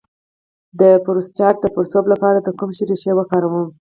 د پروستات د پړسوب لپاره د کوم شي ریښه وکاروم؟